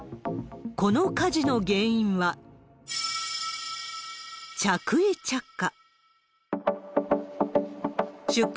この火事の原因は、着衣着火。